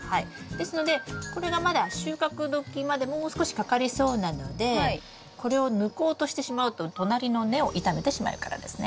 ですのでこれがまだ収穫時までもう少しかかりそうなのでこれを抜こうとしてしまうと隣の根を傷めてしまうからですね。